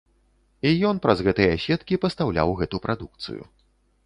І ён праз гэтыя сеткі пастаўляў гэту прадукцыю.